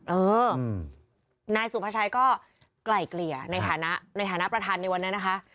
เออนายสุภาชัยก็ไกล่เกลี่ยในฐานะในฐานะประธานในวันนั้นนะคะ